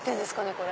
これ。